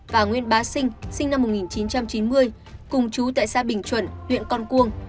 và nguyên bá sinh sinh năm một nghìn chín trăm chín mươi cùng chú tại xã bình chuẩn huyện con cuông